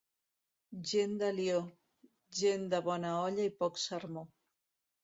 Gent d'Alió, gent de bona olla i poc sermó.